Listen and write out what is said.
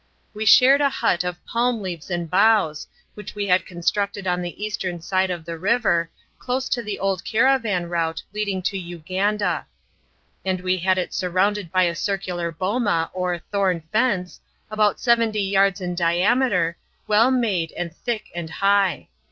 We shared a hut of palm leaves and boughs, which we had constructed on the eastern side of the river, close to the old caravan route leading to Uganda; and we had it surrounded by a circular boma, or thorn fence, about seventy yards in diameter, well made and thick and high.